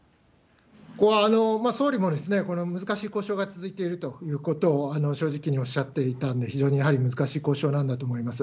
ここは総理も難しい交渉が続いているということを正直におっしゃっていたんで、非常にやはり難しい交渉なんだと思います。